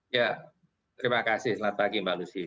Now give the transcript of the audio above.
ya terima kasih selamat pagi mbak lucy